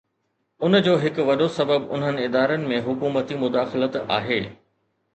ان جو هڪ وڏو سبب انهن ادارن ۾ حڪومتي مداخلت آهي.